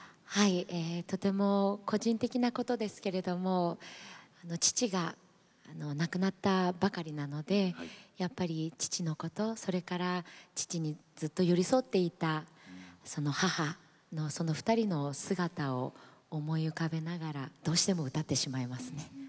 とても個人的なことですけれども父が亡くなったばかりなのでやっぱり父のことそれから父にずっと寄り添っていた母の２人の姿を思い浮かべながらどうしても歌ってしまいますね。